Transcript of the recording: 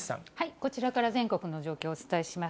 こちらから全国の状況をお伝えします。